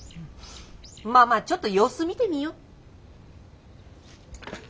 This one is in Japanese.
まあまあちょっと様子見てみよう。